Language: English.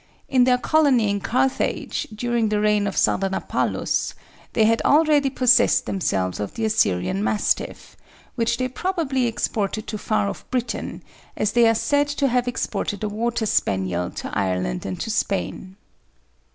In their colony in Carthage, during the reign of Sardanapalus, they had already possessed themselves of the Assyrian Mastiff, which they probably exported to far off Britain, as they are said to have exported the Water Spaniel to Ireland and to Spain.